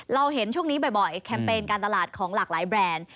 เราเห็นช่วงนี้บ่อยแคมเปญการตลาดของหลากหลายแบรนด์